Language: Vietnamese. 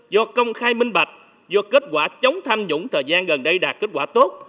do công khai minh bạch do kết quả chống tham nhũng thời gian gần đây đạt kết quả tốt